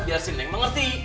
biar si neng mengerti